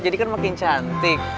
jadi kan makin cantik